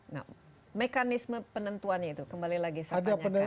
nah mekanisme penentuannya itu kembali lagi saya tanyakan